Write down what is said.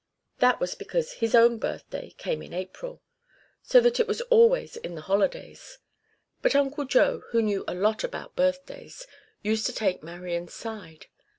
That was because his own birthday came in April, so that it was always in the holidays; but Uncle Joe, who knew a lot about birthdays, used to take Marian's side.